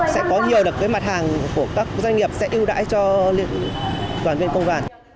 sẽ có nhiều được cái mặt hàng của các doanh nghiệp sẽ ưu đãi cho toàn viên công đoàn